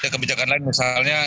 kebijakan lain misalnya